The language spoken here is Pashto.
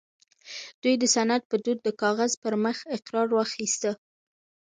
دوی د سند په دود د کاغذ پر مخ اقرار واخيسته